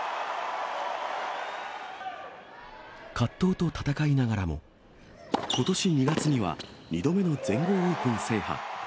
葛藤と闘いながらも、ことし２月には２度目の全豪オープン制覇。